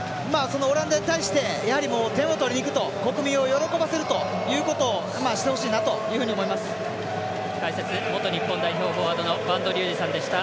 オランダに対して点を取りにいくと国民を喜ばせるということをしてほしいなというふうに解説元日本代表フォワードの播戸竜二さんでした。